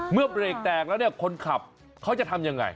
เมื่อเบรกแตกแล้วเนี่ยคนขับเขาจะทำยังไง